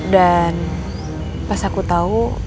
dan pas aku tau